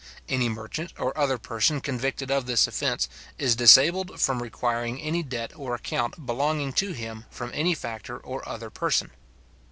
Any merchant, or other person convicted of this offence, is disabled from requiring any debt or account belonging to him from any factor or other person.